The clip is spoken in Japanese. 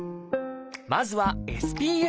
まずは「ＳＰＦ」。